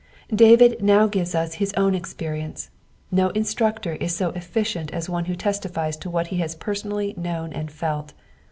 David now g^ives us his own experience : no instructor is so efBdent as one who testifies to what he has personalty known and felt.